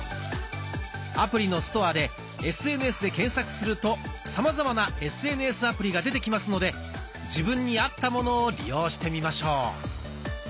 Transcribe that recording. アプリのストアで「ＳＮＳ」で検索するとさまざまなＳＮＳアプリが出てきますので自分に合ったものを利用してみましょう。